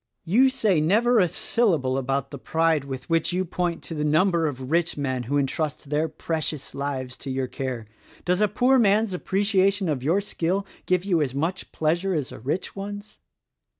"You say never a syllable about the pride with which you point to the number of rich men who entrust their precious lives to your care. Does a poor man's appreciation of your skill give you as much pleasure as a rich one's?